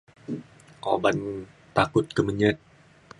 uban takut ke menyet.